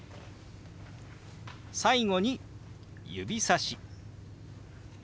最後に指さし。